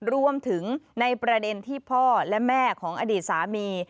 รวมถึงในประเด็นที่พ่อและแม่ของอดีตสามี